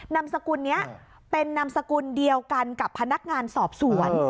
นามสกุลนี้เป็นนามสกุลเดียวกันกับพนักงานสอบสวน